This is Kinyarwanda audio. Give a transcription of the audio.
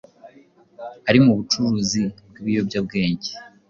ari mu bucuruzi bw’ibiyobyabwenge